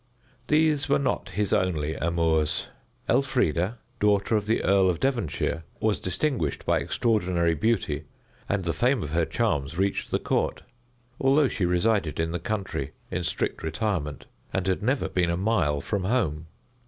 These were not his only amours. Elfrida, daughter of the Earl of Devonshire, was distinguished by extraordinary beauty, and the fame of her charms reached the court, although she resided in the country in strict retirement, and had never been a mile from home.